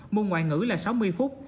môn ngoại ngữ là sáu mươi phút